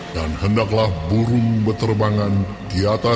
dan hendaklah burung berterbangan di atasnya